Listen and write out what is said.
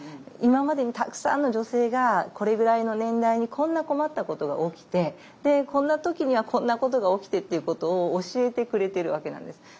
今までにたくさんの女性がこれぐらいの年代にこんな困ったことが起きてこんな時にはこんなことが起きてっていうことを教えてくれてるわけなんです。